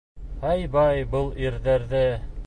Ай-бай, был ирҙәрҙе!